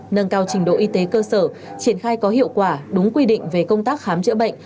nâng cao trình độ y tế cơ sở triển khai có hiệu quả đúng quy định về công tác khám chữa bệnh